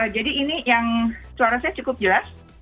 jadi ini yang suara saya cukup jelas